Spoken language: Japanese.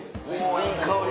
いい香り！